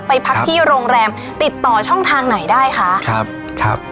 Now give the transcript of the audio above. ไปพักที่โรงแรมติดต่อช่องทางไหนได้คะครับครับ